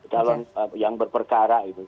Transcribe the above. calon yang berperkara gitu